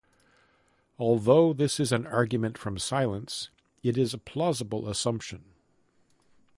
Although this is an argument from silence, it is a plausible assumption.